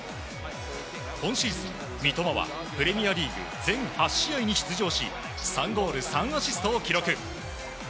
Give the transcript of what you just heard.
今シーズン、三笘はプレミアリーグ全８試合に出場し３ゴール３アシストを記録。